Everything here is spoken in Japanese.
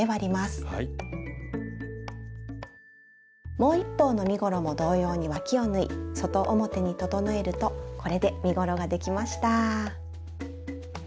もう一方の身ごろも同様にわきを縫い外表に整えるとこれで身ごろができました。